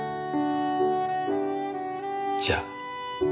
じゃあ。